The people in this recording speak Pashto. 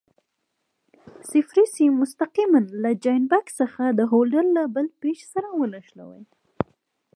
صفري سیم مستقیماً له جاینټ بکس څخه د هولډر له بل پېچ سره ونښلوئ.